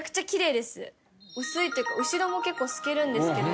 薄いっていうか後ろも結構透けるんですけど。